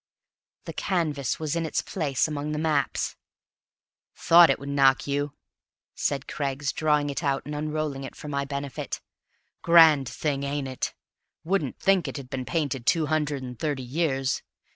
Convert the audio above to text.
The canvas was in its place among the maps! "Thought it would knock you," said Craggs, drawing it out and unrolling it for my benefit. "Grand thing, ain't it? Wouldn't think it had been painted two hundred and thirty years?